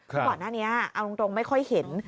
คือก่อนหน้านี้เอาตรงไม่ค่อยเห็น